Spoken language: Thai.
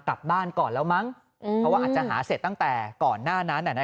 เพราะอาจจะหาเสร็จตั้งแต่ก่อนหน้านั้น